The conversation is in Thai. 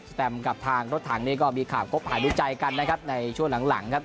แตมกับทางรถถังนี้ก็มีข่าวคบหาดูใจกันนะครับในช่วงหลังหลังครับ